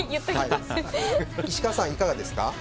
石川さん、いかがですか？